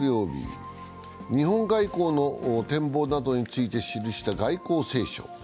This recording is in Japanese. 日本外交の展望などについて記した外交青書。